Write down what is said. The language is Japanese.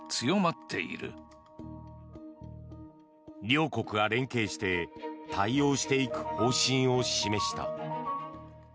両国が連携して対応していく方針を示した。